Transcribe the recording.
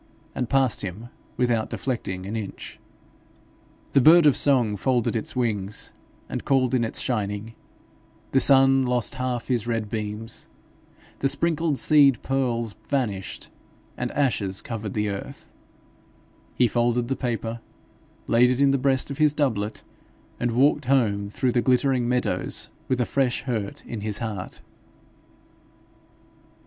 and passed him without deflecting an inch. The bird of song folded its wings and called in its shining; the sun lost half his red beams; the sprinkled seed pearls vanished, and ashes covered the earth; he folded the paper, laid it in the breast of his doublet, and walked home through the glittering meadows with a fresh hurt in his heart.